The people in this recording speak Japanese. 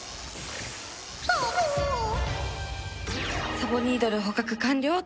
サボニードル捕獲完了っと。